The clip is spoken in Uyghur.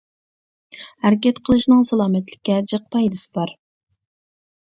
ھەرىكەت قىلىشنىڭ سالامەتلىككە جىق پايدىسى بار.